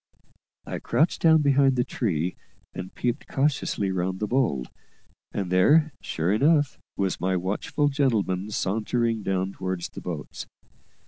I crouched down behind the tree, and peeped cautiously round the bole; and there, sure enough, was my watchful gentleman sauntering down towards the boats.